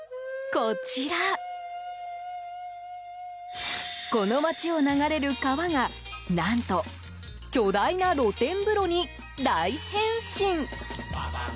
この街を流れる川が何と、巨大な露天風呂に大変身。